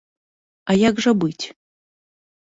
А як жа быць?